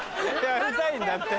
やりたいんだって。